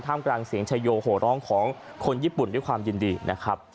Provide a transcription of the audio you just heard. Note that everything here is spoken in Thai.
มกลางเสียงชายโยโหร้องของคนญี่ปุ่นด้วยความยินดีนะครับ